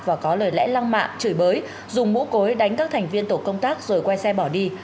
và có lời lẽ lăng mạ chửi bới dùng mũ cối đánh các thành viên tổ công tác rồi quay xe bỏ đi